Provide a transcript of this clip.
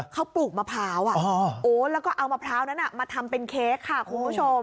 เขาปลูกมะพร้าวแล้วก็เอามะพร้าวนั้นมาทำเป็นเค้กค่ะคุณผู้ชม